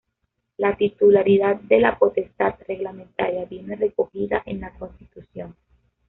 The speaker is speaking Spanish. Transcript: La titularidad de la potestad reglamentaria viene recogida en la Constitución.